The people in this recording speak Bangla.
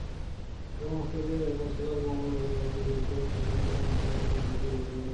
অথবা মস্তকে সহস্রদল কমল অথবা পূর্বোক্ত সুষুম্নার মধ্যস্থ চক্রগুলিকে জ্যোতির্ময়রূপে চিন্তা করিবে।